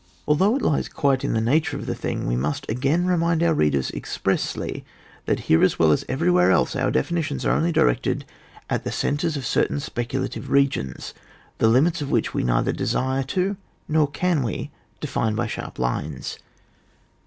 181 Although it lies quite in the nature of the thing, we must again remind our readers expressly that here as well as everywhere else our definitions are only directed at the centres of certain specu lative regions, the limits of which we neither desire to, nor can we, define by sharp lines.